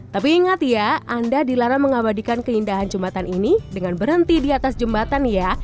tapi ingat ya anda dilarang mengabadikan keindahan jembatan ini dengan berhenti di atas jembatan ya